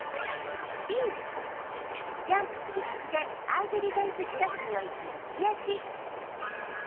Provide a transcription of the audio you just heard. Ｂ、ジャンプする直前、相手ディフェンス近くに置いた右足。